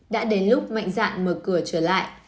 đã đến lúc mạnh dạn mở cửa trở lại